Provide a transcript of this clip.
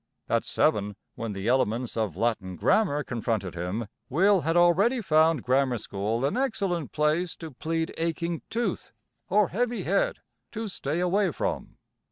At seven, when the elements of Latin grammar confronted him, Will had already found grammar school an excellent place to plead aching tooth or heavy head to stay away from.